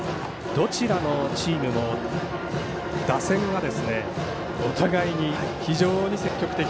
どちらのチームも打線はお互いに非常に積極的。